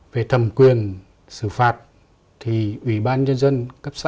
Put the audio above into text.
về thẩm quyền xử phạt thì ủy ban nhân dân cấp xã